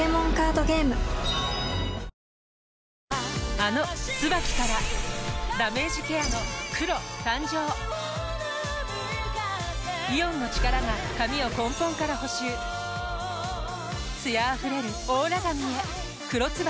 あの「ＴＳＵＢＡＫＩ」からダメージケアの黒誕生イオンの力が髪を根本から補修艶あふれるオーラ髪へ「黒ＴＳＵＢＡＫＩ」